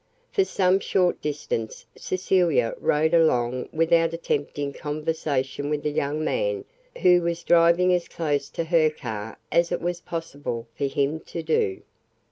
For some short distance Cecilia rode along without attempting conversation with the young man who was driving as close to her car as it was possible for him to do.